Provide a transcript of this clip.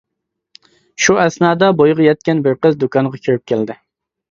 شۇ ئەسنادا بويىغا يەتكەن بىر قىز دۇكانغا كىرىپ كەلدى.